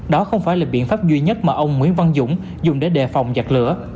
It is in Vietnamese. đó không phải là biện pháp duy nhất mà ông nguyễn văn dũng dùng để đề phòng giặc lửa